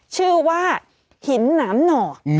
ชื่อว่าหินน้ำหนอ